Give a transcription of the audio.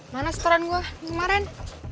mana setoran gue kemarin